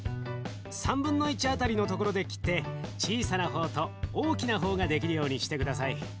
３分の１辺りのところで切って小さな方と大きな方が出来るようにして下さい。